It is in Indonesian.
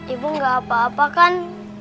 ibu nggak apa apa kan